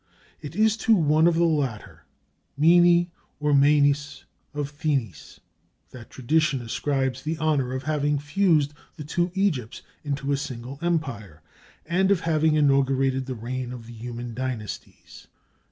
It is to one of the latter, Mini or Menes of Thinis, that tradition ascribes the honor of having fused the two Egypts into a single empire, and of having inaugurated the reign of the human dynasties.